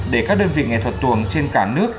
để các đơn vị nghệ thuật tuồng trên cả nước